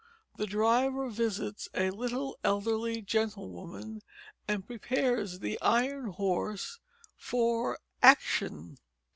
THE DRIVER VISITS A LITTLE ELDERLY GENTLEWOMAN AND PREPARES THE IRON HORSE FOR ACTION.